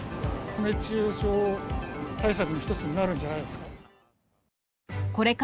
熱中症対策の一つになるんじゃないですか。